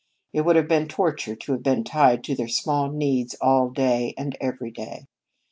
It would have been torture to have been tied to their small needs all day and every day.